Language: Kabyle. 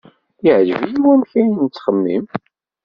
Yeɛjeb-iyi wamek ay nettxemmim.